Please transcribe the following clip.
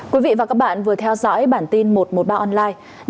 quý vị và các bạn vừa theo dõi bản tin một trăm một mươi ba online